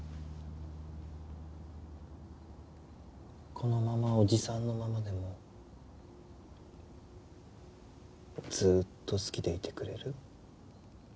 このままオジサンのままでもずーっと好きでいてくれる？